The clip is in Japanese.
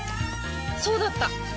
そうだった！